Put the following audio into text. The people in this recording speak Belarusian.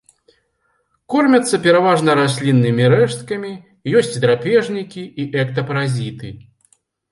Кормяцца пераважна расліннымі рэшткамі, ёсць драпежнікі і эктапаразіты.